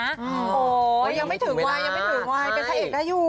อ้อยังไม่ถึงเวลาอย่างพระเอกก็อยู่